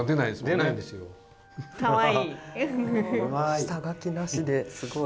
下描きなしですごい。